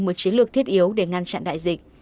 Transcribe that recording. một chiến lược thiết yếu để ngăn chặn đại dịch